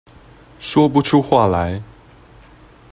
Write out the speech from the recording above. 說不出話來